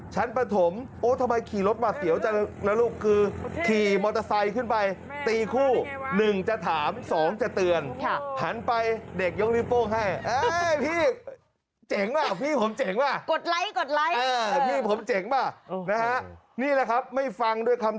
ประถมโอ้ทำไมขี่รถมาเสียวจะนะลูกคือขี่มอเตอร์ไซค์ขึ้นไปตีคู่๑จะถามสองจะเตือนหันไปเด็กยกนิ้วโป้งให้พี่เจ๋งป่ะพี่ผมเจ๋งป่ะกดไลค์กดไลค์พี่ผมเจ๋งป่ะนะฮะนี่แหละครับไม่ฟังด้วยคำ